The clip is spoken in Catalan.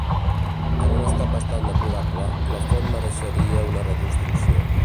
En un estat bastant deplorable, la font mereixeria una reconstrucció.